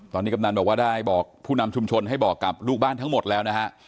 ตอนนี้กำนันบอกว่าได้บอกผู้นำชุมชนให้บอกกับลูกบ้านทั้งหมดแล้วนะฮะ